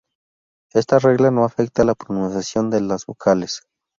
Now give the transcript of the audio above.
Esta regla no afecta la pronunciación de las vocales.